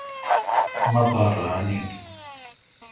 مہ پا ران این۔